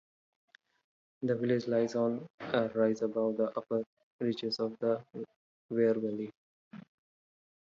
The village lies on a rise above the upper reaches of the Wear valley.